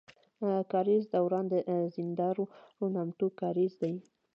کاريز دوران د زينداور نامتو کاريز دی.